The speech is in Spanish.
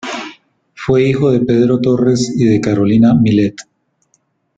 Fue hijo de Pedro Torres y de Carolina Millet.